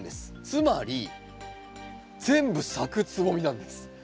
つまり全部咲くつぼみなんです。